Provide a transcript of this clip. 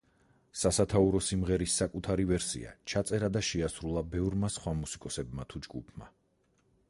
სასათაურო სიმღერის საკუთარი ვერსია ჩაწერა და შეასრულა ბევრმა სხვა მუსიკოსებმა თუ ჯგუფმა.